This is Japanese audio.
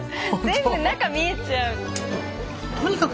全部中見えちゃう。